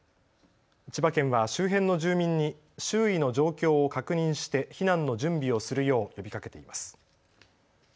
千葉県は周辺の住民に周囲の状況を確認して避難の準備をするよう呼びかけています。